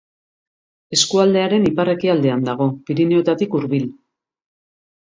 Eskualdearen ipar-ekialdean dago, Pirinioetatik hurbil.